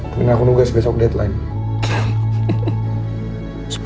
mungkin aku nunggu besok deadline